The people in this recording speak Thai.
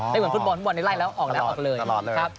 เหมือนฟุตบอลฟุตบอลนี่ไล่แล้วออกแล้วออกเลยครับ